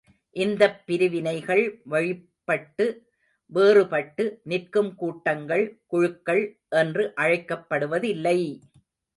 இந்தப் பிரிவினைகள் வழிப்பட்டு, வேறுபட்டு நிற்கும் கூட்டங்கள், குழுக்கள் என்று அழைக்கப்படுவதில்லை!